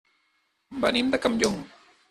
Venim de Campllong.